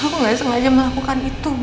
aku gak sengaja melakukan itu ma